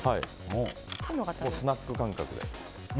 スナック感覚で。